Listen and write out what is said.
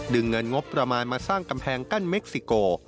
เงินงบประมาณมาสร้างกำแพงกั้นเม็กซิโก